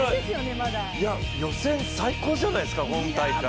予選、最高じゃないですか今大会。